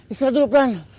istirahat dulu prang